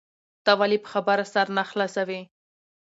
ته ولي په خبره سر نه خلاصوې؟